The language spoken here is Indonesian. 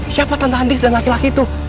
siapa tante dan laki laki itu